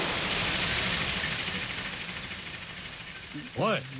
おい！